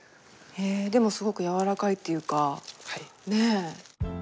でもすごくやわらかいっていうかね。